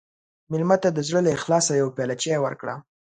مېلمه ته د زړه له اخلاصه یوه پیاله چای ورکړه.